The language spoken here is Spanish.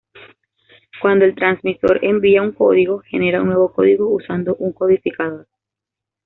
Cuando el transmisor envía un código, genera un nuevo código usando un codificador.